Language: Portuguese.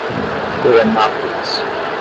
Goianápolis